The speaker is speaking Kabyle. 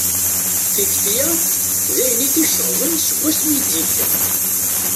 Tikti-a, d ayen i t-iceɣben seg wasmi i d-yekker